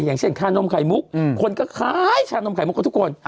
อย่างเช่นชานมไข่มุกคนก็คล้ายชานมไข่มุกก็ทุกคน